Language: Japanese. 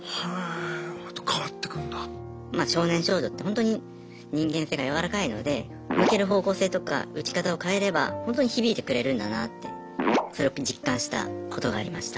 まあ少年少女ってほんとに人間性が柔らかいので向ける方向性とか打ち方を変えればほんとに響いてくれるんだなってそれを実感したことがありました。